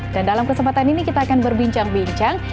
dalam kesempatan ini kita akan berbincang bincang